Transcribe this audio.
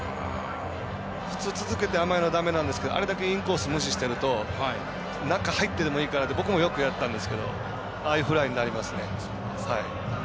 普通、続けないとだめなんですけどあれだけインコースを無視していると中、入ってもいいからって僕もよくやってたんですけどああいうフライになりますね。